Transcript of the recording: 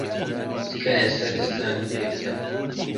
تکایە سەرنجتانم پێ بدەن.